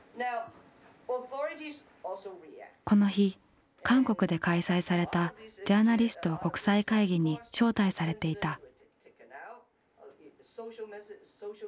この日韓国で開催されたジャーナリスト国際会議に招待されていた。